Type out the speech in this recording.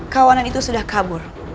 kawanan itu sudah kabur